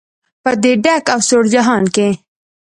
په دې ډک او سوړ جهان کې.